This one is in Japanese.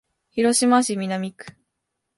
広島市南区